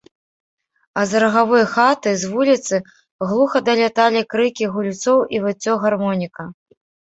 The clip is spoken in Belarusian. А з рагавой хаты, з вуліцы, глуха даляталі крыкі гульцоў і выццё гармоніка.